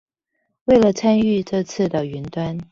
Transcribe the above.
為了參與這次的雲端